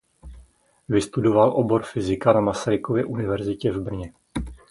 Vystudoval obor fyzika na Masarykově univerzitě v Brně.